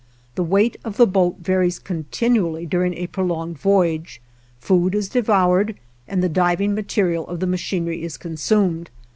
The weight of the boat varies continually during a prolonged voyage. Food is devoured and the diving material of the machinery is consumed.